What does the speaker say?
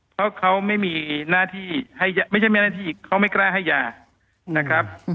เพราะเขาไม่มีหน้าที่ไม่ใช่แม่หน้าที่เขาไม่กล้าให้ยานะครับ